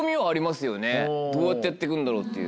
どうやってやって行くんだろう？っていう。